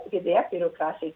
jadi sudah relatif